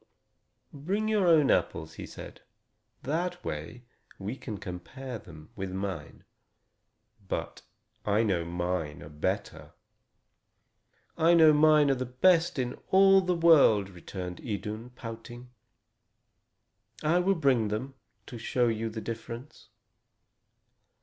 "Bring your own apples," he said, "that we may compare them with mine. But I know mine are better." "I know mine are the best in all the world," returned Idun, pouting. "I will bring them, to show you the difference."